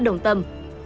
tổ đồng thuận